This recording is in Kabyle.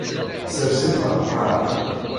Sers-itt ɣer lqaɛa.